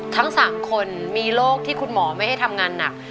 ทั้ง๓คนมีโรคที่คุณหมอไม่ให้ทำงานหนัก